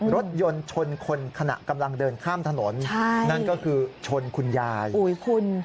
รถยนต์ชนคนขณะกำลังเดินข้ามถนนใช่นั่นก็คือชนคุณยายอุ้ยคุณ